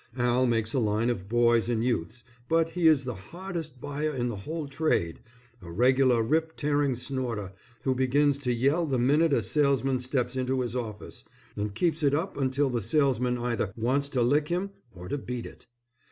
Al makes a line of boys' and youths', but he is the hardest buyer in the whole trade, a regular rip tearing snorter who begins to yell the minute a salesman steps into his office, and keeps it up until the salesman either wants to lick him or to beat it.